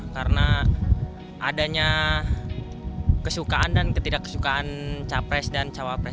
karena adanya kesukaan dan ketidakkesukaan capres dan cawapres